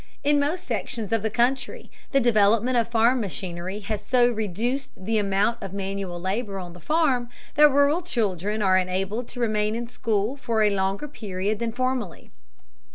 In most sections of the country the development of farm machinery has so reduced the amount of manual labor on the farm that rural children are enabled to remain in school for a longer period than formerly.